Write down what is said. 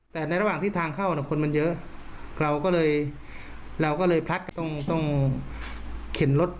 แต่ในระหว่างที่ทางเข้าคนมันเยอะเราก็เลยเราก็เลยพลัดก็ต้องเข็นรถ